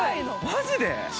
マジで？